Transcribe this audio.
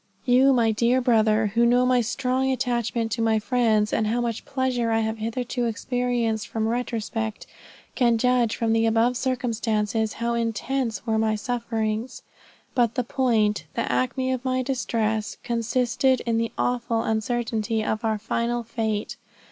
"You my dear brother, who know my strong attachment to my friends, and how much pleasure I have hitherto experienced from retrospect, can judge from the above circumstance, how intense were my sufferings. But the point, the acme of my distress, consisted in the awful uncertainty of our final fate.